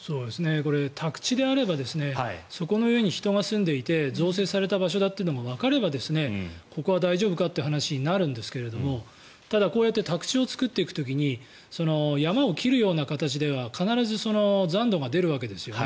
これ、宅地であればそこの上に人が住んでいて造成された場所だというのもわかればここは大丈夫かって話になるんですがただ、こうやって宅地を作っていく時に山を切るような形では必ず残土が出るわけですよね。